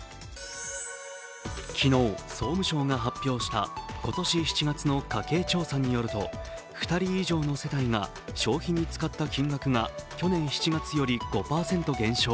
昨日、総務省が発表した今年７月の家計調査によると２人以上の世帯が消費に使った金額が去年７月より５％減少。